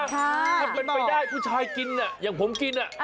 ถ้าเป็นไปได้ผู้ชายกินอย่างผมกิน